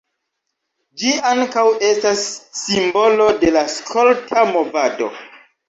Ĝi ankaŭ estas simbolo de la skolta movado.